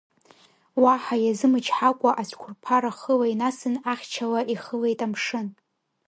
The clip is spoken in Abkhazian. Уаҳа иазымычҳакәа ацәқәырԥара хыла инасын, ахьча-ла ихылеит амшын.